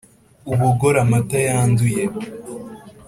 ubogore amata yanduye